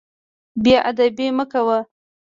بې ادبي مه کوه.